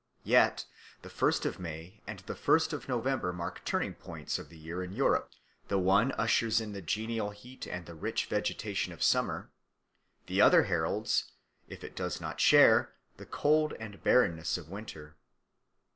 Yet the first of May and the first of November mark turning points of the year in Europe; the one ushers in the genial heat and the rich vegetation of summer, the other heralds, if it does not share, the cold and barrenness of winter.